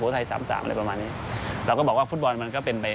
แต่มันก็เป็นไปได้หมดนะครับ